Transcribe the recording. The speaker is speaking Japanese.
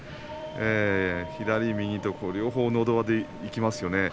左、右と両方のど輪でいきますよね。